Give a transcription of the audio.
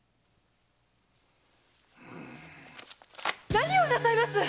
何をなさいます